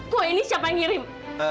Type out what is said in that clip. kok ini siapa yang ngirim